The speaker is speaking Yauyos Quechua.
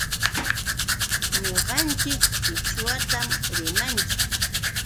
Ñuqanchik qichwatam rimanchik.